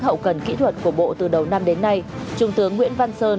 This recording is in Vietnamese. hậu cần kỹ thuật của bộ từ đầu năm đến nay trung tướng nguyễn văn sơn